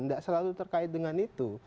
tidak selalu terkait dengan itu